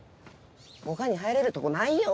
他に入れるとこないよ。